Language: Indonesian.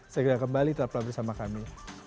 segera kembali tetaplah bersama kami